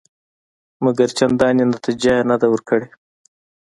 مګر چندانې نتیجه یې نه ده ورکړې.